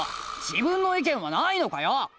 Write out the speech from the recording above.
自分の意見はないのかよ！